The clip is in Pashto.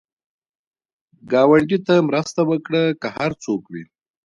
ګاونډي ته مرسته وکړه، که هر څوک وي